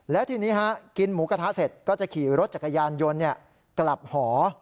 แล้วทีนี้กินหมูกระทะเสร็จก็จะขี่รถจักรยานยนต์กลับหอ